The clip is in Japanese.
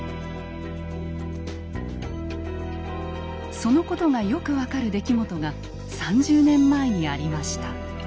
そのことがよく分かる出来事が３０年前にありました。